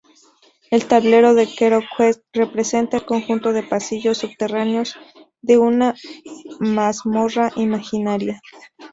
El tablero de "HeroQuest" representa el conjunto de pasillos subterráneos de una mazmorra imaginaria.